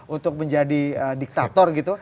untuk menjadi diktator gitu